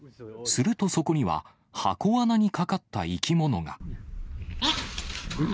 するとそこには、箱わなにかかった生き物が。